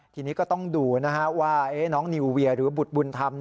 ทีนี้ก็ต้องดูว่าน้องนิวเวียหรือบุตรบุญธรรม